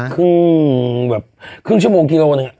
ครึ่งแบบครึ่งชั่วโหมกิโลกรัม